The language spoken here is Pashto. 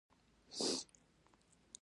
افغانستان کې د نورستان په اړه زده کړه کېږي.